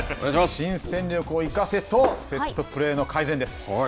新戦力を生かせとセットプレーの改善です。